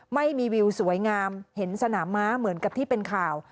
ไม่มีวิวสวยงามเห็นสนามม้าเหมือนกับที่เป็นข่าว